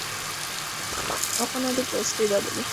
افغانان ډېر با استعداده دي.